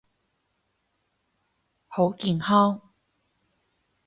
好健康！